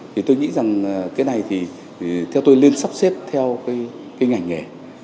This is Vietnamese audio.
thì tôi nghĩ rằng cái này thì theo tôi nên sắp xếp theo cái ngành nghề